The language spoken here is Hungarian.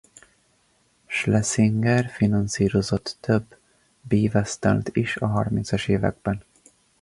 Schlesinger finanszírozott több b-westernt is a harmincas években.